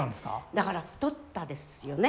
だから太ったですよね。